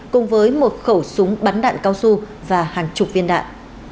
cùng với một khẩu súng bắn đạn cao su và hàng chục viên đạn